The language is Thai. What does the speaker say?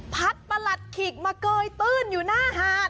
ประหลัดขิกมาเกยตื้นอยู่หน้าหาด